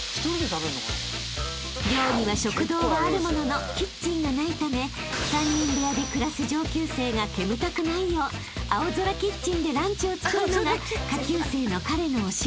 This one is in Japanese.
［寮には食堂はあるもののキッチンがないため３人部屋で暮らす上級生が煙たくないよう青空キッチンでランチを作るのが下級生の彼のお仕事］